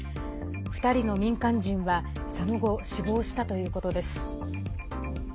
２人の民間人は、その後死亡したということです。